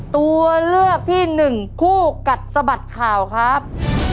ตัวเลือกที่หนึ่งคู่กัดสะบัดข่าวครับ